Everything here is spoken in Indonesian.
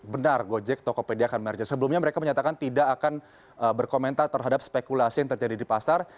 benar gojek tokopedia akan merger sebelumnya mereka menyatakan tidak akan berkomentar terhadap spekulasi yang terjadi di pasar